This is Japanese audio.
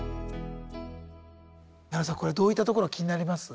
矢野さんこれどういったところが気になります？